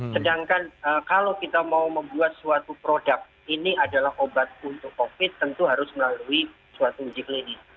sedangkan kalau kita mau membuat suatu produk ini adalah obat untuk covid tentu harus melalui suatu uji klinis